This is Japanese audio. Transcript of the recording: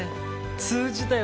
通じたよ